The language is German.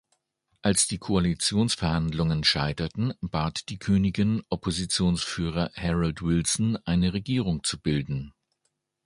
Als die Koalitionsverhandlungen scheiterten, bat die Königin Oppositionsführer Harold Wilson, eine Regierung zu bilden.